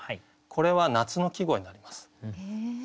これは夏の季語になります。